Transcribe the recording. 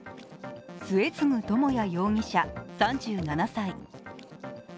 末次智也容疑者３７歳。